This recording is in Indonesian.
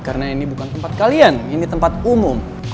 kalian ini tempat umum